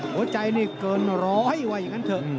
หัวใจนี่เกินร้อยว่าอย่างนั้นเถอะ